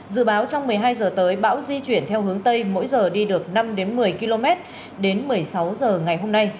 dự báo trong một mươi hai h tới bão di chuyển theo hướng tây mỗi giờ đi được năm đến một mươi km đến một mươi sáu h ngày hôm nay